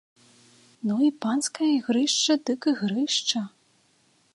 Ну і панскае ігрышча дык ігрышча!